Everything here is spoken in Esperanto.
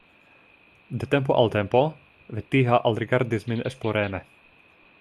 De tempo al tempo Vetiha alrigardis min esploreme.